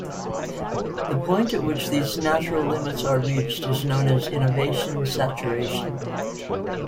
The point at which these natural limits are reached is known as "innovation saturation".